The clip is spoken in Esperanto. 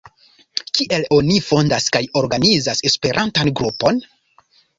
Kiel oni fondas kaj organizas Esperantan Grupon?